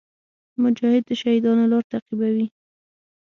مجاهد د شهیدانو لار تعقیبوي.